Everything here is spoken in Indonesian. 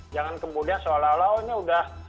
jangan kemudian seolah olah ini udah